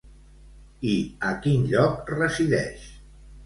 I a quin lloc resideix?